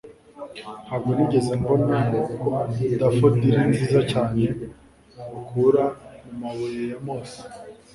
Ntabwo nigeze mbona daffodili nziza cyane bakura mumabuye ya mose